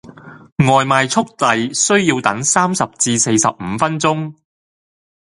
外賣速遞需要等三十至四十五分鐘